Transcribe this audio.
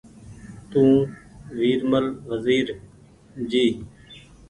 تو ويرمل وزير جي